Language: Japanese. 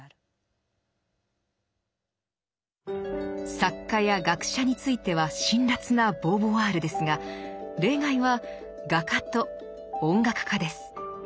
作家や学者については辛辣なボーヴォワールですが例外は画家と音楽家です。